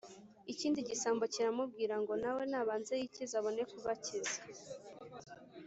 Ikindi gisambo kiramubwira ngo nawe nabanze yikize abone kubakiza